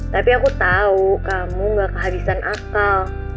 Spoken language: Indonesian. tapi aku tahu kamu gak kehabisan akal